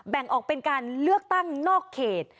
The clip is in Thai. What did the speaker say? แบ่งออกเป็นการเลือกตั้งนอกเขต